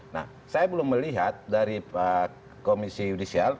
nah saya belum melihat dari komisi yudisial